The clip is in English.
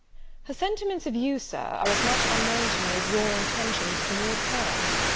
"Her sentiments of you, Sir, are as much unknown to me, as your intentions towards her.